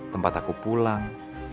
tempat aku pulang